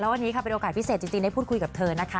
วันนี้ค่ะเป็นโอกาสพิเศษจริงได้พูดคุยกับเธอนะคะ